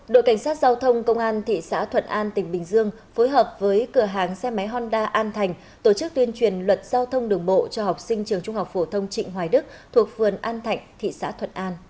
đội cảnh sát giao thông công an thị xã thuận an tỉnh bình dương phối hợp với cửa hàng xe máy honda an thành tổ chức tuyên truyền luật giao thông đường bộ cho học sinh trường trung học phổ thông trịnh hoài đức thuộc vườn an thạnh